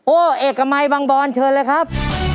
เอกมัยบางบอนเชิญเลยครับ